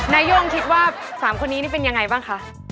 นาย่วงคิดว่าสามคนนี้เป็นอย่างไรบ้างคะ